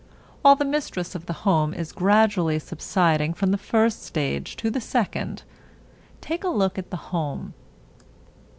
While the mistress of the home is gradually subsiding from the first stage to the second, take a look at the home.